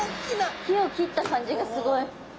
木を切った感じがすごい。